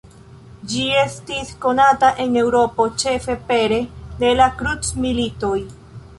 Ĝi estis konata en Eŭropo ĉefe pere de la krucmilitoj.